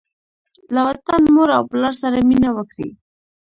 له وطن، مور او پلار سره مینه وکړئ.